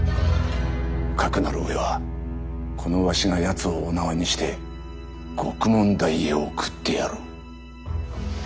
かくなる上はこのわしが奴をお縄にして獄門台へ送ってやろう。